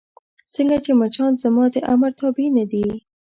ځکه چې مچان زما د امر تابع نه دي.